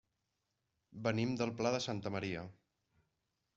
Venim del Pla de Santa Maria.